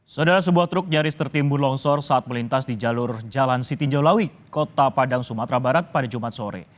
saudara sebuah truk nyaris tertimbun longsor saat melintas di jalur jalan sitinjolawi kota padang sumatera barat pada jumat sore